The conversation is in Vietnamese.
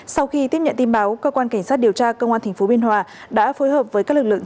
sau khi tiếp nhận tin báo cơ quan cảnh sát điều tra công an tp biên hòa đã phối hợp với các lực lượng